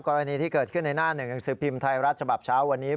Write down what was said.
กรณีที่เกิดขึ้นในหน้าหนึ่งหนังสือพิมพ์ไทยรัฐฉบับเช้าวันนี้